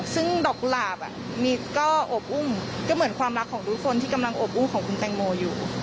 ซึ่งดอกกุหลาบก็อบอุ้มก็เหมือนความรักของทุกคนที่กำลังอบอุ้มของคุณแตงโมอยู่